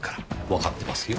わかってますよ。